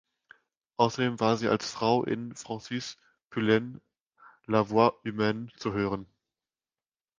Außerdem war sie als Frau in Francis Poulencs "La voix humaine" zu hören.